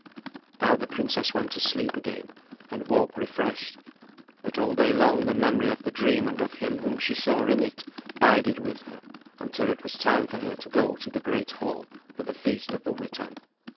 Now the princess went to sleep again, and woke refreshed; but all day long the memory of the dream and of him whom she saw in it bided with her, until it was time for her to go to the great hall for the feast of the Witan.